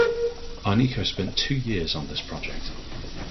Arniko spent two years on this project.